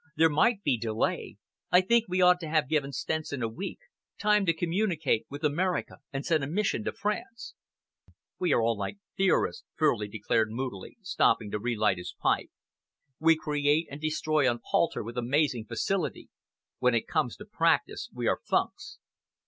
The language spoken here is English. There might be delay. I think we ought to have given Stenson a week time to communicate with America and send a mission to France." "We are like all theorists," Furley declared moodily, stopping to relight his pipe. "We create and destroy on palter with amazing facility. When it comes to practice, we are funks."